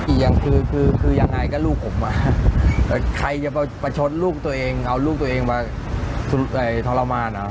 อีกอย่างคือคือยังไงก็ลูกออกมาแต่ใครจะประชดลูกตัวเองเอาลูกตัวเองมาทรมานอ่ะ